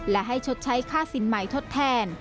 และให้ชดใช้ค่าสินใหม่ทดแทน